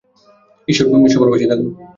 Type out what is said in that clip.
ঈশ্বর সবার পাশে থাকুন।